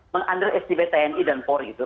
mengandil stb tni dan por gitu